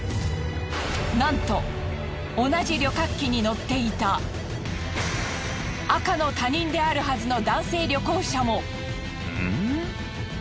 なんと同じ旅客機に乗っていた赤の他人であるはずの男性旅行者も。